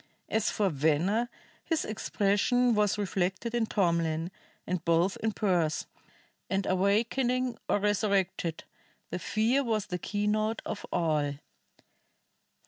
As for Venner, his expression was reflected in Tomlin, and both in Pearse; and awakening or resurrected, fear was the keynote of all.